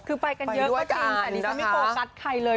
คือไปกันเยอะก็เจ็นแต่นี่จะไม่โปรกัดใครเลย